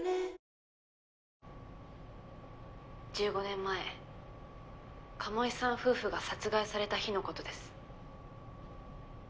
１５年前鴨居さん夫婦が殺害された日のことです。